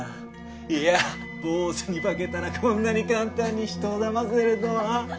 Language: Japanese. いや坊主に化けたらこんなに簡単に人をだませるとは。